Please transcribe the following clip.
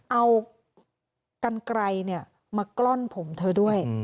เอากันไกลมากล้อนผมเธอด้วย